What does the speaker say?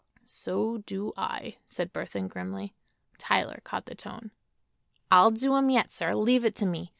"So do I," said Burthon, grimly. Tyler caught the tone. "I'll do him yet, sir. Leave it to me.